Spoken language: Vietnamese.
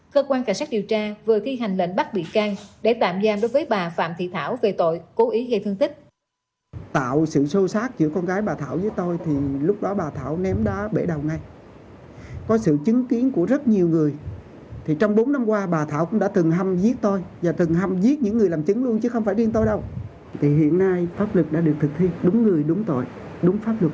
cơ quan cảnh sát điều tra vừa thi hành lệnh bắt bị can để tạm giam đối với bà phạm thị thảo